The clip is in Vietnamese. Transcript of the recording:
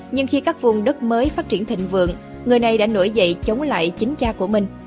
nhưng khi các vùng đất mới phát triển thịnh vượng người này đã nổi dậy chống lại chính cha của mình